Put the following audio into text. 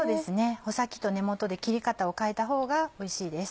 穂先と根元で切り方を変えた方がおいしいです。